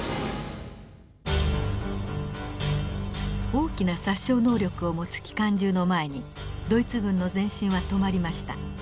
大きな殺傷能力を持つ機関銃の前にドイツ軍の前進は止まりました。